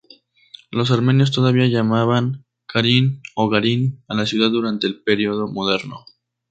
Los armenios todavía llamaban "Karin" o "Garin" a la ciudad durante el período moderno.